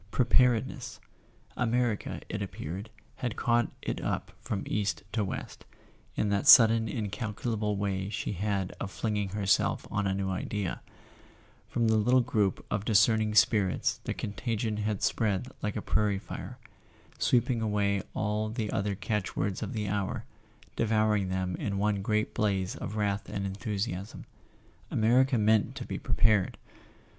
Preparedness! America, it appeared, had caught it up from east to west, in that sudden incalculable way she had of flinging herself on a new idea; from a little group of discerning spirits the contagion had spread like a prairie fire, sweeping away all the other catch¬ words of the hour, devouring them in one great blaze of wrath and enthusiasm. America meant to be pre¬ pared